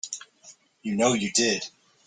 You know you did.